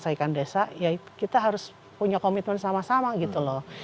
jadi ada anggaran untuk bagaimana kita menyelesaikan desa ya kita harus punya komitmen sama sama gitu loh